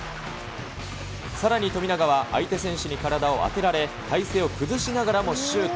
さらに富永は、相手選手に体を当てられ、体勢を崩しながらもシュート。